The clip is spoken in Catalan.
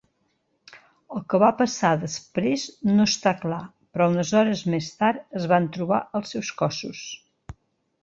El que va passar després no està clar, però unes hores més tard es van trobar els seus cossos.